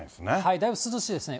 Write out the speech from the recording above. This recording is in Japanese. だいぶ涼しいですね。